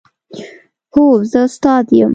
هو، زه استاد یم